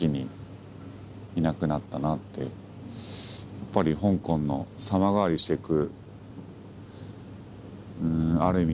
やっぱり香港の様変わりしていく。